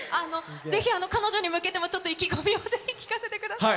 ぜひ彼女に向けてもちょっと意気込みを、ぜひ聞かせてください。